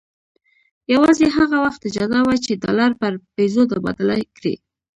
یوازې هغه وخت اجازه وه چې ډالر پر پیزو تبادله کړي.